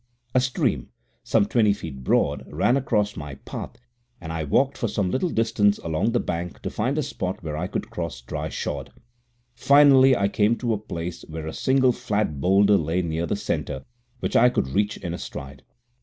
A stream, some twenty feet broad, ran across my path, and I walked for some little distance along the bank to find a spot where I could cross dry shod. Finally, I came to a place where a single flat boulder lay near the centre, which I could reach in a stride.